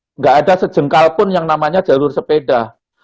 tidak ada sejengkal pun yang namanya jalur sepeda